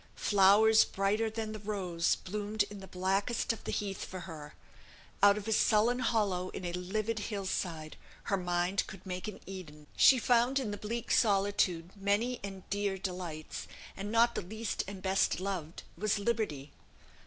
Flowers brighter than the rose bloomed in the blackest of the heath for her; out of a sullen hollow in a livid hill side, her mind could make an Eden. She found in the bleak solitude many and dear delights; and not the least and best loved was liberty.